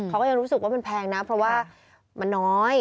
เขาก็ยังรู้สึกว่ามันแพงนะเพราะว่ามันน้อย